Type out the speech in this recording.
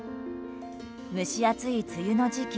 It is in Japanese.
蒸し暑い梅雨の時期